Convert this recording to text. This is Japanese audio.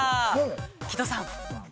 木戸さん。